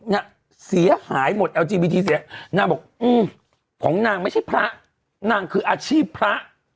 น่ะเสียหายหมดแอลจีบีทีเสียนางบอกอืมของนางไม่ใช่พระนางคืออาชีพพระ